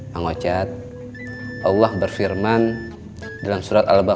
pak ngocat allah berfirman dalam surat al baqarah